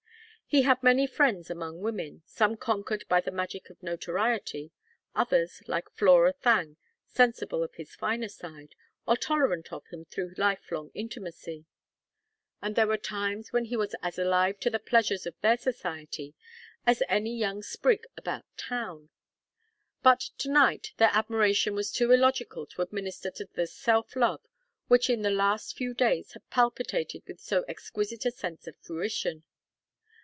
He had many friends among women, some conquered by the magic of notoriety, others, like Flora Thangue, sensible of his finer side, or tolerant of him through life long intimacy; and there were times when he was as alive to the pleasures of their society as any young sprig about town; but to night their admiration was too illogical to administer to the self love which in the last few days had palpitated with so exquisite a sense of fruition.